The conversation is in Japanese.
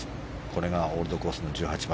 これがオールドコースの１８番。